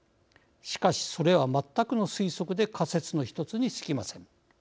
しかしそれは全くの推測で仮説の一つにすぎません。